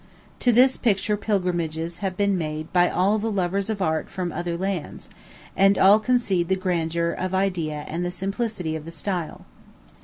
To this picture pilgrimages have been made by all the lovers of art from other lands, and all concede the grandeur of idea and the simplicity of the style.